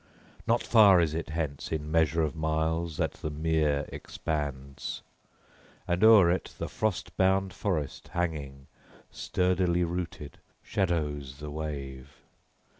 Not far is it hence in measure of miles that the mere expands, and o'er it the frost bound forest hanging, sturdily rooted, shadows the wave.